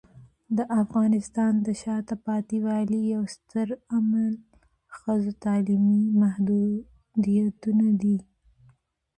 د افغانستان د شاته پاتې والي یو ستر عامل ښځو تعلیمي محدودیتونه دي.